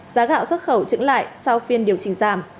giá gạo xuất khẩu trứng lại sau phiên điều chỉnh giảm